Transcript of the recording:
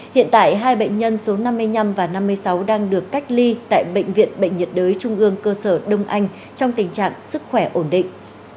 hiện tại hai bệnh nhân số năm mươi năm và năm mươi sáu đang được cách ly tại bệnh viện bệnh nhiệt đới trung ương cơ sở đông anh trong tình trạng sức khỏe ổn định